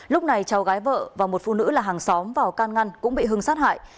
lúc này cháu gái vợ và một phụ nữ là hàng xóm vào can ngăn cũng bị hưng sát hại